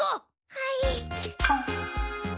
はい。